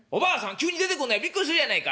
急に出てくんなやビックリするやないか！」。